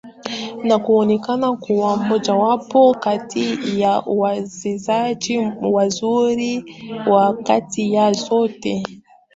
Na kuonekana kuwa mmojawapo kati ya wachezaji wazuri wa nyakati zote